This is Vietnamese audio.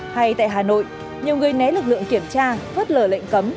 hay tại hà nội nhiều người né lực lượng kiểm tra phớt lờ lệnh cấm